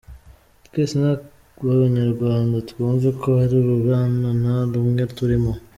Twese nk’Abanyarwanda twumve ko hari urunana rumwe turimo.